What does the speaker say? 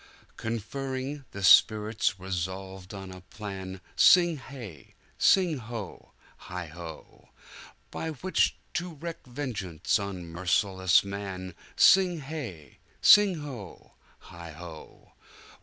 Conferring, the spirits resolved on a plan Sing hey! sing ho! heigho! By which to wreak vengeance on merciless man Sing hey! sing ho! heigho!"